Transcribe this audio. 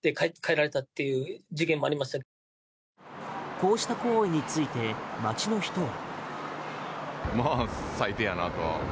こうした行為について街の人は。